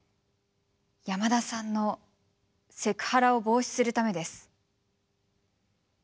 山田さんのセクハラを防止するためです。